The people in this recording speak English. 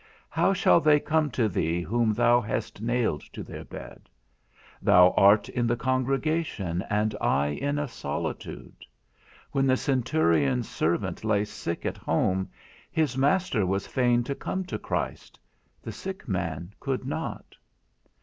How shall they come to thee whom thou hast nailed to their bed? Thou art in the congregation, and I in a solitude: when the centurion's servant lay sick at home, his master was fain to come to Christ; the sick man could not.